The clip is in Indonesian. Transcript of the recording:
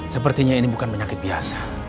sepertinya ini bukan penyakit biasa